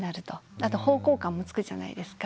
あと方向感もつくじゃないですか。